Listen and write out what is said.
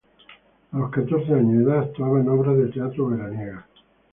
A los catorce años de edad actuaba en obras de teatro veraniegas.